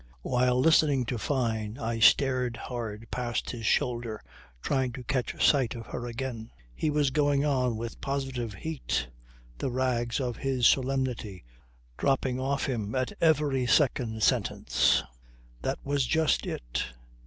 While listening to Fyne I stared hard past his shoulder trying to catch sight of her again. He was going on with positive heat, the rags of his solemnity dropping off him at every second sentence. That was just it.